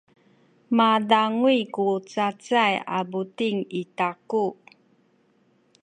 midanguy ku cacay a buting i taku.